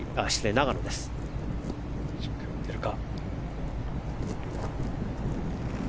永野、しっかり打てるか。